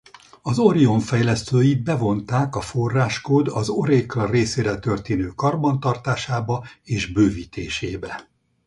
Az Orion fejlesztőit bevonták a forráskód az Oracle részére történő karbantartásába és bővítésébe.